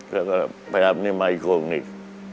แล้วก็ไปรับนี่มาอีกคนอีก